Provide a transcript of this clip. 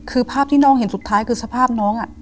คือภาพที่น้องเห็นสุดท้ายคือสภาพน้อง